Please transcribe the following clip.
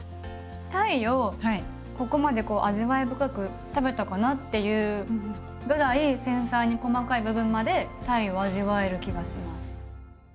鯛をここまで味わい深く食べたかなっていうぐらい繊細に細かい部分まで鯛を味わえる気がします。